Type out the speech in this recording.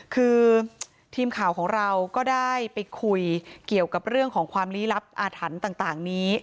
คือทีมข่าวของเราก็ได้ไปคุยเกี่ยวกับเรื่องของความลี้ลับอาถรรพ์ต่างนี้